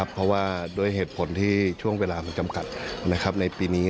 เพราะว่าด้วยเหตุผลที่ช่วงเวลามันจำกัดในปีนี้